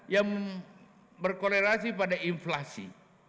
yang berkolerasi pada inflasi